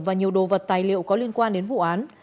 và nhiều đồ vật tài liệu có liên quan đến vụ án